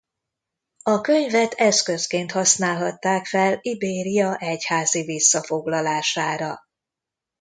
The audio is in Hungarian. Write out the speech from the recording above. A könyvet eszközként használhatták fel Ibéria egyházi visszafoglalására.